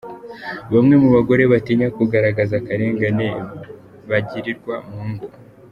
Bamwe mu bagore batinya kugaragaza akarengane bagirirwa mu ngo